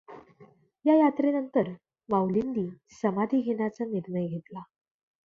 या यात्रेनंतर माउलींनी समाधी घेण्याचा निर्णय घेतला.